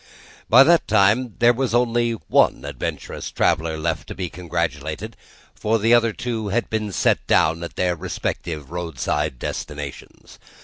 By that time, there was only one adventurous traveller left be congratulated: for the two others had been set down at their respective roadside destinations.